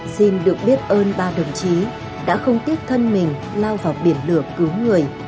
xin được biết ơn ba đồng chí đã không tiếc thân mình lao vào biển lửa cứu người